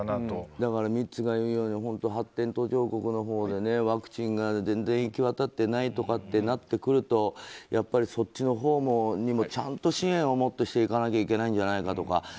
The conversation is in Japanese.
だから、ミッツが言うように発展途上国のほうでワクチンが全然いきわたってないとかってなるとやっぱりそっちのほうも信念をもって支援をしていかないといけないんじゃないかとか。